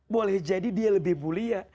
boleh jadi dia lebih mulia